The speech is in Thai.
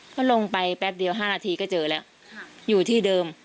ก็ลงไปแป๊บเดียว๕นาทีก็เจอแล้วอยู่ที่เดิม